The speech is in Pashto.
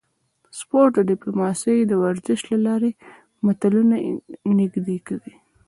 سپورت ډیپلوماسي د ورزش له لارې ملتونه نږدې کوي